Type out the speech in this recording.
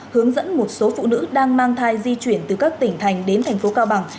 hướng dẫn một số phụ nữ đang mang thai di chuyển từ các tỉnh thành đến thành phố cao bằng